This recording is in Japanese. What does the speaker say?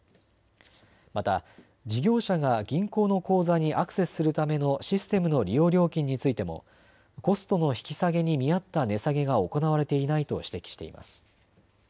また事業者が銀行の口座にアクセスするためのシステムの利用料金についてもコストの引き下げに見合った値下げが行われていないと指摘しています。